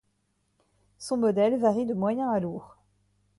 Son modèle varie de moyen à lourd.